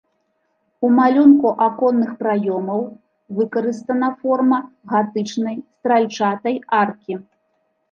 У малюнку аконных праёмаў выкарыстана форма гатычнай стральчатай аркі.